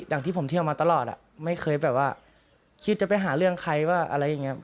อย่างที่ผมเที่ยวมาตลอดไม่เคยแบบว่าคิดจะไปหาเรื่องใครว่าอะไรอย่างนี้